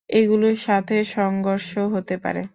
এগুলোর সাথে সংঘর্ষ হতে পারে!